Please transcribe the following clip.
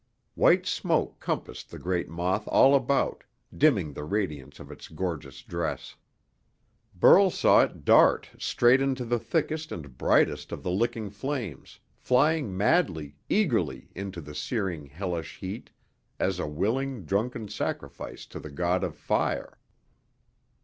White smoke compassed the great moth all about, dimming the radiance of its gorgeous dress. Burl saw it dart straight into the thickest and brightest of the licking flames, flying madly, eagerly, into the searing, hellish heat as a willing, drunken sacrifice to the god of fire.